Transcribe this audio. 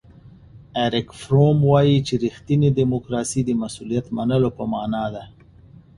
اریک فروم وایي چې ریښتینې دیموکراسي د مسؤلیت منلو په مانا ده.